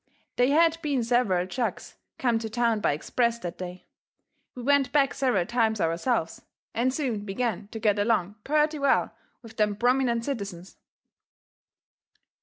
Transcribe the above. They had been several jugs come to town by express that day. We went back several times ourselves, and soon began to get along purty well with them prominent citizens.